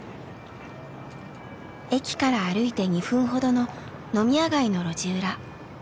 駅から歩いて２分ほどの飲み屋街の路地裏。